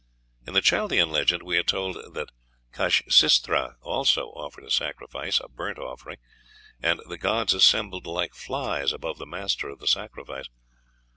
'" In the Chaldean legend we are told that Khasisatra also offered a sacrifice, a burnt offering, "and the gods assembled like flies above the master of the sacrifice."